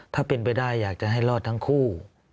ถ้าเป็นไปได้อยากจะให้รอดทั้งคู่